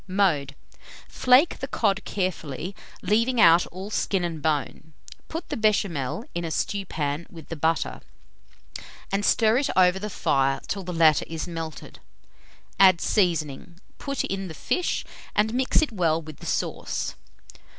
Mode. Flake the cod carefully, leaving out all skin and bone; put the béchamel in a stewpan with the butter, and stir it over the fire till the latter is melted; add seasoning, put in the fish, and mix it well with the sauce.